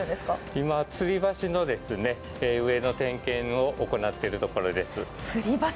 今、つり橋の上の点検を行っています。